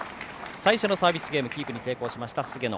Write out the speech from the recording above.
最初のサービスゲームキープに成功しました。